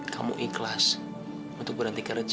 kamu ikhlas untuk berhenti kerja